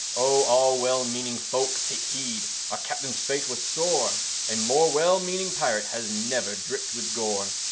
Oh all well meaning folk take heed! Our Captain's fate was sore; A more well meaning Pirate, Had never dripped with gore.